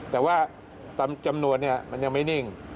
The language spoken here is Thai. แต่ว่าจำนวนมันยังไม่นิ่ง